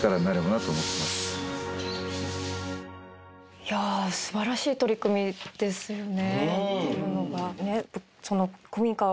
いやぁすばらしい取り組みですよね。